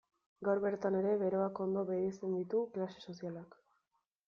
Gaur bertan ere beroak ondo bereizten ditu klase sozialak.